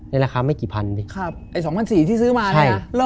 ราคาไม่กี่พันดิไอ้๒๔๐๐ที่ซื้อมาเนี่ย